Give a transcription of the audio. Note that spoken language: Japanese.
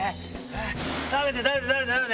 食べて食べて！